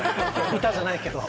歌じゃないけど。